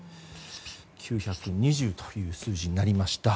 ９２０という数字になりました。